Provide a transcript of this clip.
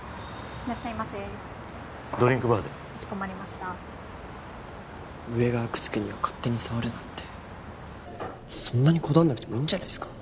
いらっしゃいませドリンクバーでかしこまりました上が阿久津家には勝手に触るなってそんなにこだわんなくてもいいんじゃないすか？